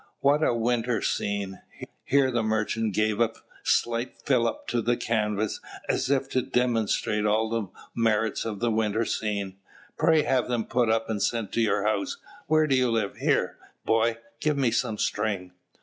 What a winter scene!" Here the merchant gave a slight fillip to the canvas, as if to demonstrate all the merits of the winter scene. "Pray have them put up and sent to your house. Where do you live? Here, boy, give me some string!"